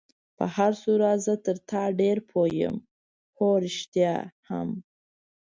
په هر صورت زه تر تا ډېر پوه یم، هو، رښتیا هم.